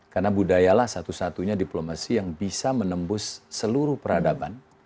karena budayalah satu satunya diplomasi yang bisa menembus seluruh peradaban